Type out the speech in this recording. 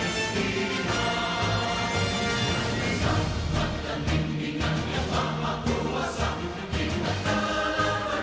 satukan diri sing singkan lengan tepalkan tangan bersatuan